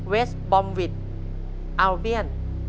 เวสบอมวิทอัลเบียน